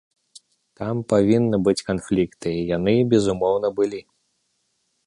Там павінны быць канфлікты, і яны, безумоўна, былі.